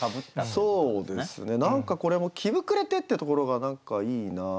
そうですね何かこれも「着ぶくれて」ってところが何かいいな。